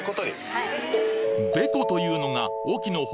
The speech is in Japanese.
はい。